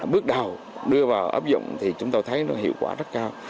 bước đầu đưa vào áp dụng thì chúng tôi thấy nó hiệu quả rất cao